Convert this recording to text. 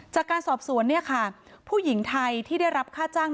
จากการสอบสวนเนี่ยค่ะผู้หญิงไทยที่ได้รับค่าจ้าง